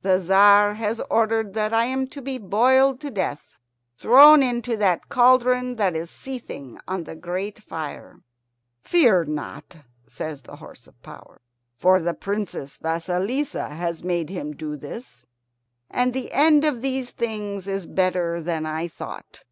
"The Tzar has ordered that I am to be boiled to death thrown into that cauldron that is seething on the great fire." "Fear not," says the horse of power, "for the Princess Vasilissa has made him do this, and the end of these things is better than I thought.